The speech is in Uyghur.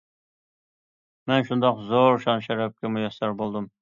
مەن شۇنداق زور شان- شەرەپكە مۇيەسسەر بولدۇم.